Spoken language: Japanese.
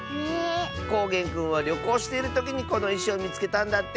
こうげんくんはりょこうしているときにこのいしをみつけたんだって！